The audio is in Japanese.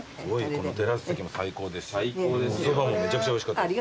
このテラス席も最高ですしおそばもめちゃくちゃおいしかったです。